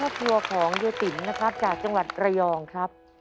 ขอขอรับเพชรฟัวของเจ้าติ่มนะครับจากจังหวัดกระหย่องครับ